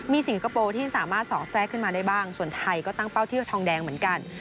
มีสิงคโปร์ที่สามารถสอดแทรกขึ้นมาได้บ้างส่วนไทยก็ตั้งเป้าเที่ยวทองแดงเหมือนกัน